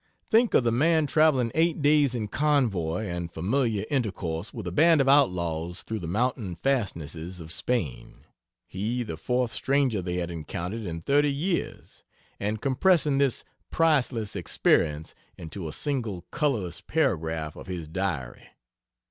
Think of the man traveling 8 days in convoy and familiar intercourse with a band of outlaws through the mountain fastnesses of Spain he the fourth stranger they had encountered in thirty years and compressing this priceless experience into a single colorless paragraph of his diary!